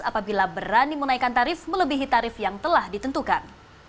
apabila berani menaikkan tarif melebihi tarif yang telah ditentukan